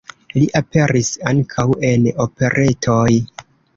Li aperis ankaŭ en operetoj.